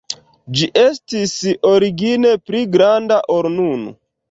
Ĝi estis origine pli granda, ol nun.